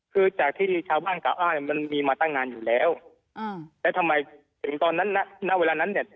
คือจากที่ชาวบ้านกล่าอ้างมันมีมาตั้งนานอยู่แล้วแล้วทำไมถึงตอนนั้นณเวลานั้นเนี่ย